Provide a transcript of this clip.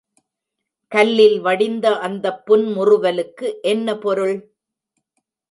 கல்லில் வடிந்த அந்தப் புன்முறுவலுக்கு என்ன பொருள்?